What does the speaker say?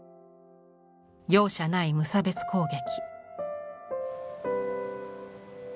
容赦ない無差別攻撃。